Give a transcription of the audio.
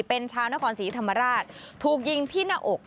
เป็นชาวนครศรีธรรมราชถูกยิงที่หน้าอก